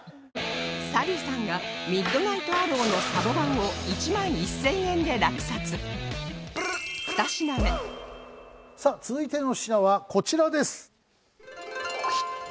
サリュさんがミッドナイトアローのサボ板を１万１０００円で落札さあ続いての品はこちらです。